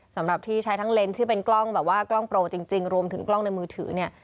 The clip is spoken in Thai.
สำหรับที่ใช้ทั้งเลนส์ที่เป็นกล้องแบบว่ากล้องโปรจริงรวมถึงกล้องในมือถือเนี่ย